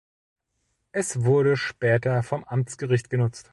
Es wurde später vom Amtsgericht genutzt.